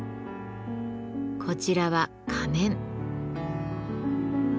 こちらは仮面。